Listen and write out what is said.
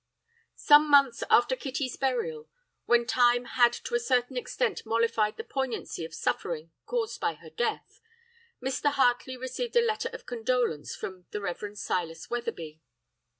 "Some months after Kitty's burial, when time had to a certain extent mollified the poignancy of suffering caused by her death, Mr. Hartley received a letter of condolence from the Rev. Silas Wetherby.